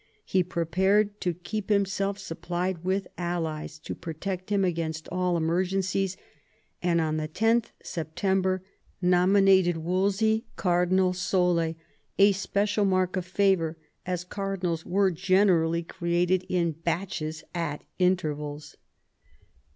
He prepared to keep him self supplied with allies to protect him against all emerg encies, and on 10th September nominated Wolsey cardinal sole, a special mark of favour, as cardinals were generally created in batches at intervals.